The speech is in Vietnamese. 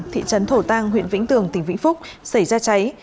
thị trấn thổ tàng huyện vĩnh tường tỉnh vĩnh phúc xảy ra cháy